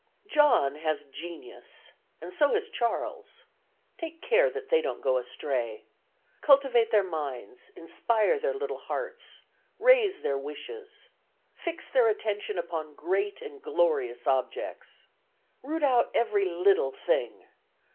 "John has genius, and so has Charles. Take care that they don't go astray. Cultivate their minds, inspire their little hearts, raise their wishes. Fix their attention upon great and glorious objects. Root out every little thing.